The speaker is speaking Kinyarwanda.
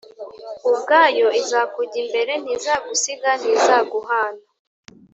ubwayo izakujya imbere ntizagusiga ntizaguhana